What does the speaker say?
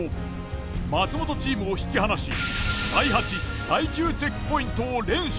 松本チームを引き離し第８第９チェックポイントを連取。